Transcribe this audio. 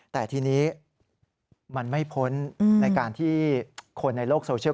แต่ทีนี้มันไม่พ้นในการที่คนในโลกโซเชียล